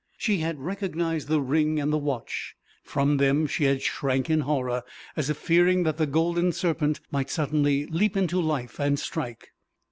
She had recognized the ring and the watch; from them she had shrank in horror, as if fearing that the golden serpent might suddenly leap into life and strike.